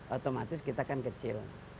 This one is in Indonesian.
otomatis kita kan kecil